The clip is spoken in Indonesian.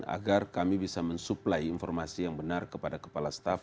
agar kami bisa mensuplai informasi yang benar kepada kepala staff